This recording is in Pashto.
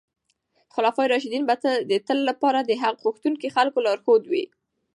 خلفای راشدین به د تل لپاره د حق غوښتونکو خلکو لارښود وي.